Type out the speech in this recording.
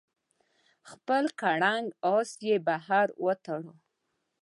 خپل کرنګ آس یې بهر وتاړه.